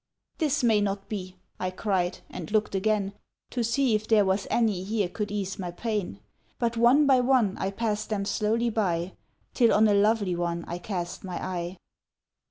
"This may not be," I cried, and looked again, To see if there was any here could ease my pain; But, one by one, I passed them slowly by, Till on a lovely one I cast my eye.